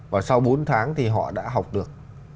và sau bốn tháng thì họ đã học được